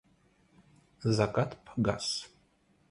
Закат погас.